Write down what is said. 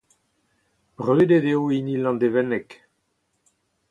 Brudet eo hini Landevenneg.